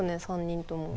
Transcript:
３人とも。